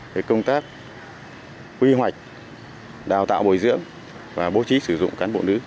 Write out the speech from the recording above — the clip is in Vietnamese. về công tác quy hoạch đào tạo bồi dưỡng và bố trí sử dụng cán bộ nữ